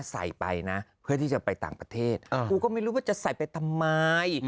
ใส่ไปนะเพื่อที่จะไปต่างประเทศกูก็ไม่รู้ว่าจะใส่ไปทำไม